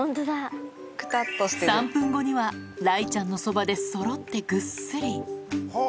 ３分後には、雷ちゃんのそばで、そろってぐっすり。